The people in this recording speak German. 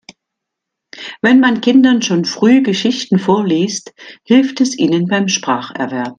Wenn man Kindern schon früh Geschichten vorliest, hilft es ihnen beim Spracherwerb.